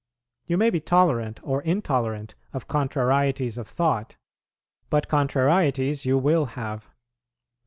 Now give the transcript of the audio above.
You may be tolerant or intolerant of contrarieties of thought, but contrarieties you will have.